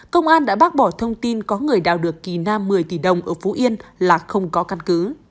công an đã bác bỏ thông tin có người đào được kỳ nam một mươi tỷ đồng ở phú yên là không có căn cứ